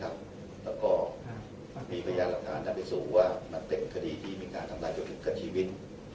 และมีพยายามรับฐานรับไปสู่ว่ามันเป็นคดีที่มีการทำร้ายกับชีวิต